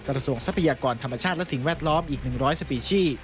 กระทรวงทรัพยากรธรรมชาติและสิ่งแวดล้อมอีก๑๐๐สปีชี